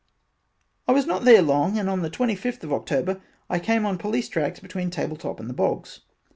I was not there long and on the 25 of October I came on Police tracks between Table top and the bogs.